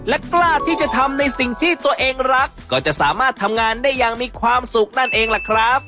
และกล้าที่จะทำในสิ่งที่ตัวเองรักก็จะสามารถทำงานได้อย่างมีความสุขนั่นเองล่ะครับ